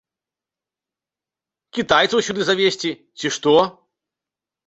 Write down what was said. Кітайцаў сюды завезці, ці ш то?